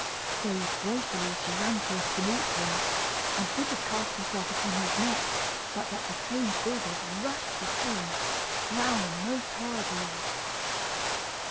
So, joyfully, she ran forth to meet him, and would have cast herself upon his neck, but that the trained bull dogs rushed between, growling most horribly.